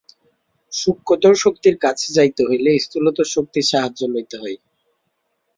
সূক্ষ্মতর শক্তির কাছে যাইতে হইলে স্থূলতর শক্তির সাহায্য লইতে হয়।